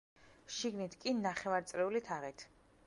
შიგნით კი ნახევარწრიული თაღით.